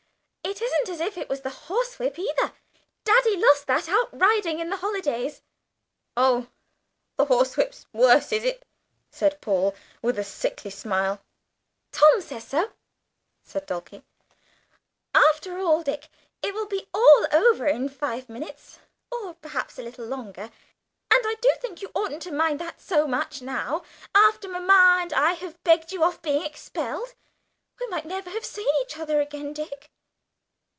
It isn't as if it was the horsewhip, either. Daddy lost that out riding in the holidays." "Oh, the horsewhip's worse, is it?" said Paul, with a sickly smile. "Tom says so," said Dulcie. "After all, Dick, it will be all over in five minutes, or, perhaps, a little longer, and I do think you oughtn't to mind that so much, now, after mamma and I have begged you off from being expelled. We might never have seen one another again, Dick!"